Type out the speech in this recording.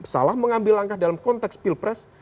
salah mengambil langkah dalam konteks pilpres